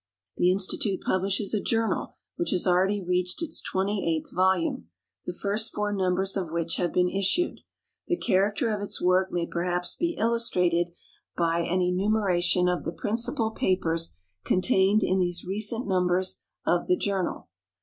The Institute publishes a journal, which has already reached its twenty eighth volume, the first four numbers of which have been issued. The character of its work may perhaps be illustrated by an enumeration of the principal papers contained in these recent numbers of the journal.